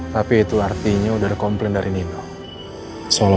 tapi itu artinya udah ada komplain dari nino